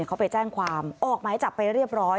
เขาไปแจ้งความออกหมายจับไปเรียบร้อย